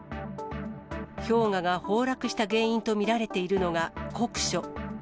氷河が崩落した原因と見られているのが、酷暑。